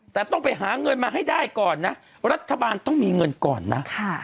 แต่ต้องไปหาเงินมาให้ได้ก่อนนะรัฐบาลต้องมีเงินก่อนนะ